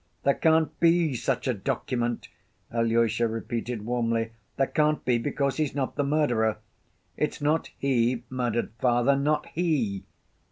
"There can't be such a document!" Alyosha repeated warmly. "There can't be, because he's not the murderer. It's not he murdered father, not he!"